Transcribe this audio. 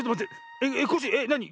えっコッシーなに？